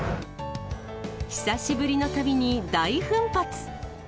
久しぶりの旅に大奮発。